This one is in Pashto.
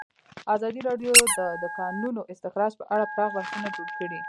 ازادي راډیو د د کانونو استخراج په اړه پراخ بحثونه جوړ کړي.